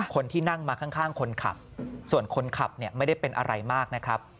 คนที่นั่งมาข้างคนขับส่วนคนขับเนี่ยไม่ได้เป็นอะไรมากนะครับ